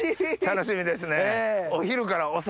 楽しみですね。